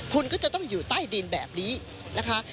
คุณก็จะต้องอยู่ใต้ดินแบบนี้นะคะ